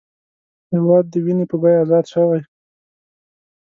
هېواد د وینې په بیه ازاد شوی